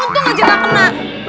untung aja gak kena